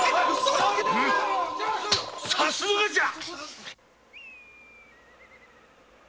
さすがじゃ。